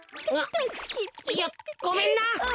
ごめんな。